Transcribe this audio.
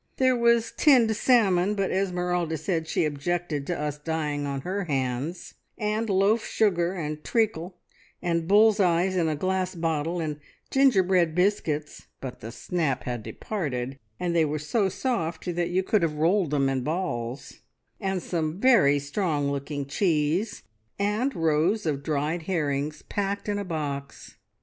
There was tinned salmon, but Esmeralda said she objected to us dying on her hands, and loaf sugar, and treacle, and bull's eyes in a glass bottle, and gingerbread biscuits (but the snap had departed, and they were so soft that you could have rolled them in balls), and some very strong looking cheese, and rows of dried herrings packed in a box.